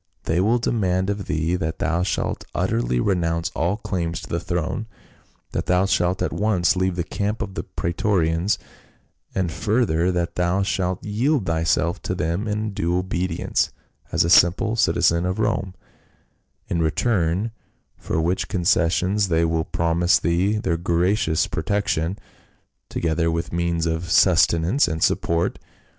" They CLAUDIUS GjESAR. 215 will demand of thee that thou shalt utterly renounce all claims to the throne, that thou shalt at once leave the camp of the praetorians, and further that thou shalt yield thyself to them in due obedience as a sim ple citizen of Rome, in return for which concessions they will promise thee their gracious protection, to gether with means of sustenance and support.